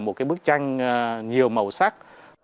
một bức tranh nhiều màu sắc